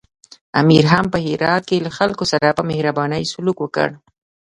امیر هم په هرات کې له خلکو سره په مهربانۍ سلوک وکړ.